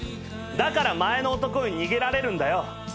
だから前の男に逃げられるんだよ。